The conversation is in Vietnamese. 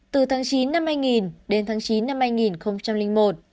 từ tháng chín năm hai nghìn đến tháng chín năm hai nghìn một